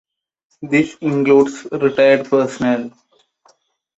This includes retired personnel.